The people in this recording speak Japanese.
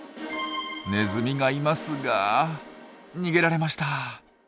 ネズミがいますが逃げられました。